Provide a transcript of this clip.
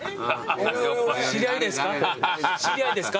知り合いですか？